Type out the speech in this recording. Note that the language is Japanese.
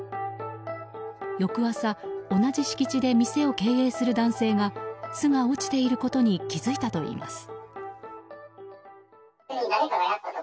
翌朝、同じ敷地で店を経営する男性が巣が落ちていることに気づいたといいます。